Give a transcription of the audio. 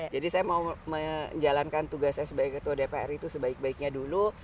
jadi saya mau menjalankan tugas saya sebagai ketua dpr itu sebaik baiknya dulu